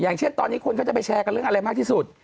อย่างเช่นตอนนี้คนก็จะไปแชร์กันเรื่องอะไรมากที่สุด